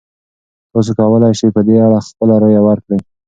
تاسو کولی شئ په دې اړه خپله رایه ورکړئ.